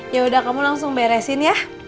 yaudah kamu langsung beresin ya